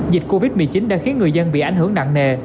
dịch covid một mươi chín đã khiến người dân bị ảnh hưởng nặng nề